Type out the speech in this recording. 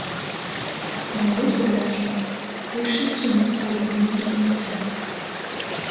Dans d'autres versions, Yoshitsune serait devenu Gengis Khan.